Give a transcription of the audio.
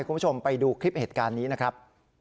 คุณผู้ชมไปดูคลิปเหตุการณ์นี้นะครับ